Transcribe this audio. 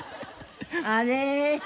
あれ。